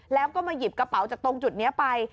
แล้วก็มาหยิบกระเป๋าจากตรงจุดนี้ไป